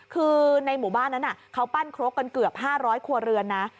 คือในหมู่บ้านนั้นเขาปั้นครกกันเกือบ๕๐๐ครัวเรือนนะ